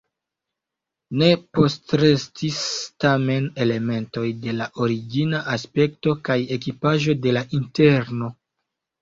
Ne postrestis tamen elementoj de la origina aspekto kaj ekipaĵo de la interno.